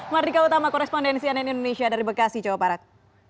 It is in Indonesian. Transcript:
mardika utama korespondensi ann indonesia dari bekasi jawa barat